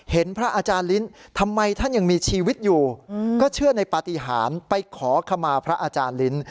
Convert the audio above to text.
พระอาจารย์ลิ้นทำไมท่านยังมีชีวิตอยู่ก็เชื่อในปฏิหารไปขอขมาพระอาจารย์ลิ้น